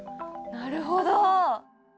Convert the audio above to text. なるほど！